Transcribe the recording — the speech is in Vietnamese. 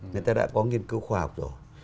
người ta đã có nghiên cứu khoa học rồi